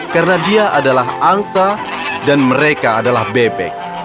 karena dia adalah angsa dan mereka adalah bebek